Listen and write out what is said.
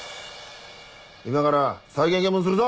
今から再現見分するぞ！